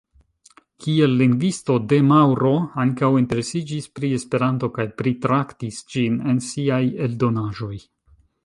Kiel lingvisto, De Mauro ankaŭ interesiĝis pri Esperanto kaj pritraktis ĝin en siaj eldonaĵoj.